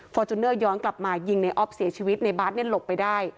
ฟอร์จุนเนอร์ย้อนกลับมายิงในออฟเสียชีวิตในบาทหลบไปได้